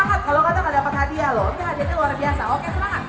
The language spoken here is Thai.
ขอบคุณมาก